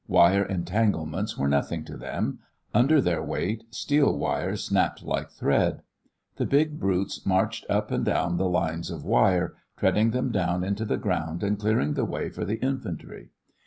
Wire entanglements were nothing to them; under their weight steel wire snapped like thread. The big brutes marched up and down the lines of wire, treading them down into the ground and clearing the way for the infantry.